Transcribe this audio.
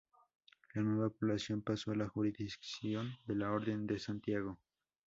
La nueva población pasó a la jurisdicción de la Orden de Santiago.